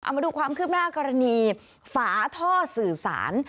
มาดูความคืบหน้ากรณีฝาท่อสื่อสาร